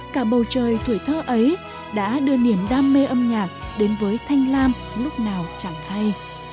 cả bầu trời tuổi thơ ấy đã đưa niềm đam mê âm nhạc đến với thanh lam lúc nào chẳng hay